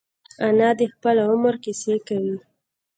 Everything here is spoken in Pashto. انا د خپل عمر کیسې کوي